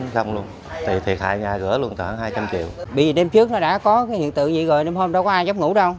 bởi vì đêm trước nó đã có cái hiện tượng gì rồi đêm hôm đó có ai chấp ngủ đâu